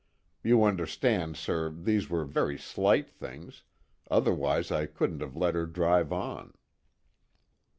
You understand, sir, these were very slight things, otherwise I couldn't have let her drive on."